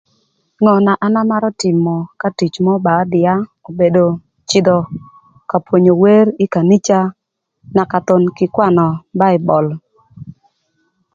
Ngö na an amarö tïmö ka tic mörö ba ödïa obedo cïdhö ka pwonyo wer ï kanica naka thon kï kwanö Baibol.